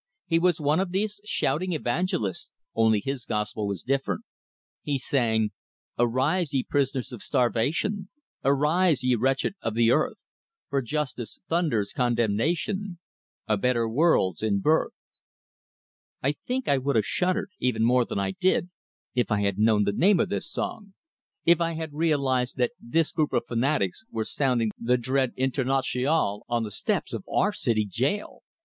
He was one of these shouting evangelists only his gospel was different. He sang: Arise, ye pris'ners of starvation! Arise, ye wretched of the earth! For justice thunders condemnation, A better world's in birth. I think I would have shuddered, even more than I did, if I had known the name of this song; if I had realized that this group of fanatics were sounding the dread Internationale on the steps of our city jail!